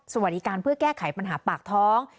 สวัสดีการเพื่อแก้ไขปัญหาปากท้อง